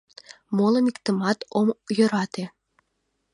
Молым иктымат ом йӧрате...